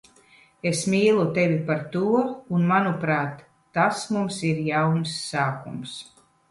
Es mīlu tevi par to un, manuprāt, tas mums ir jauns sākums.